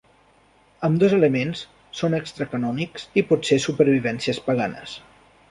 Ambdós elements són extra-canònics i pot ser supervivències paganes.